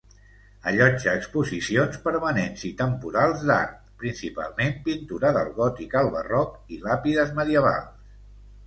Allotja exposicions permanents i temporals d'art, principalment pintura del gòtic al barroc i làpides medievals.